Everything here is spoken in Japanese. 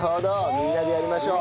みんなでやりましょう。